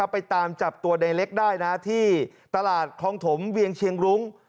ไปตามจับตัวในเล็กได้นะที่ตลาดคลองถมเวียงเชียงรุ้ง